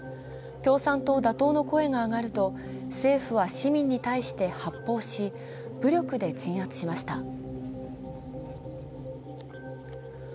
共産党打倒の声が上がると、政府は市民に対して発砲し、武力で鎮圧しました。